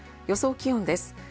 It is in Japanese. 予想気温です。